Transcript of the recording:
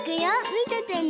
みててね。